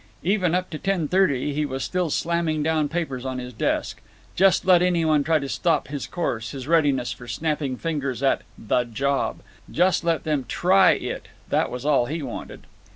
Even up to ten thirty he was still slamming down papers on his desk. Just let any one try to stop his course, his readiness for snapping fingers at The Job; just let them try it, that was all he wanted!